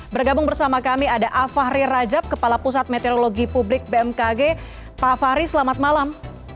bergabung bersama kami ada afahri rajab kepala pusat meteorologi publik bmkg pak fahri selamat malam